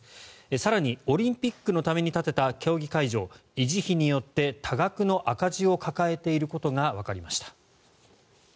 更にオリンピックのために建てた競技会場、維持費によって多額の赤字を抱えていることがわかりました。